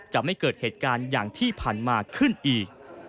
จะไม่เกิดเหตุการณ์อย่างที่ผ่านมาขึ้นอีก